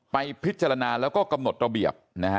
ไปพิจารณาแล้วก็กำหนดระเบียบนะฮะ